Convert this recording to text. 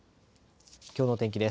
きょうの天気です。